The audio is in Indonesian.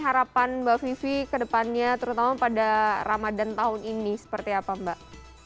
harapan mbak vivi kedepannya terutama pada ramadhan tahun ini seperti apa mbak